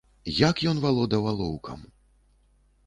Як ён валодаў алоўкам!